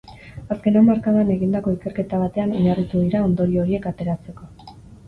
Azken hamarkadan egindako ikerketa batean oinarritu dira ondorio horiek ateratzeko.